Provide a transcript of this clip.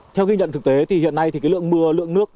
theo ghi nhận thực tế thì hiện nay thì cái lượng mưa lượng nước